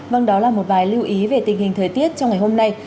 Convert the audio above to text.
vâng đó là một vài lưu ý về tình hình thời tiết trong ngày hôm nay